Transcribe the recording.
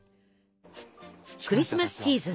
クリスマスシーズン